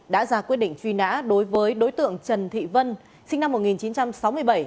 đã ra quyết định truy nã đối với đối tượng trần thị vân sinh năm một nghìn chín trăm sáu mươi bảy